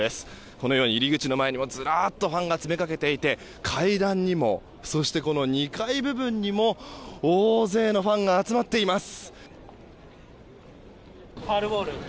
このように入り口の前にはずらっとファンが詰めかけていて階段にも、２階部分にも大勢のファンが集まっています。